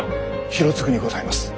広次にございます。